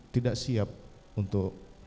tidak siap untuk